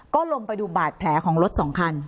ก็ลงไปดูบาดแผลของรถสองคัน